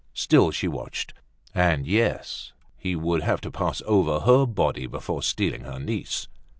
Still she watched. And, yes, he would have to pass over her body before stealing her niece.